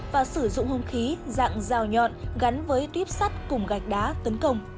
và sử dụng hung khí dạng rào nhọn gắn với tuyếp sắt cùng gạch đá tấn công